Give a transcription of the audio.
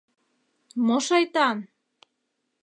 — Мо шайтан?!